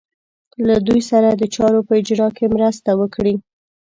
له دوی سره د چارو په اجرا کې مرسته وکړي.